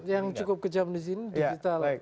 yang cukup kejam di sini digital